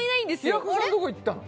平子さんどこ行ったの？